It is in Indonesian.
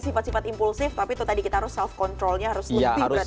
sifat sifat impulsif tapi itu tadi kita harus self controlnya harus lebih berarti